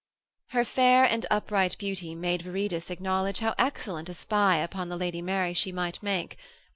Her fair and upright beauty made Viridus acknowledge how excellent a spy upon the Lady Mary she might make.